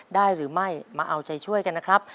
ได้หรือไม่มาเอาใจช่วยกันนะครับ